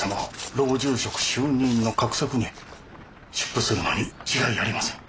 老中職就任の画策に出府するのに違いありません。